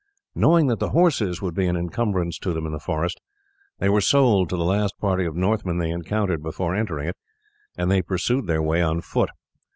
Knowing that the horses would be an encumbrance to them in the forest, they were sold to the last party of Northmen they encountered before entering it, and they pursued their way on foot.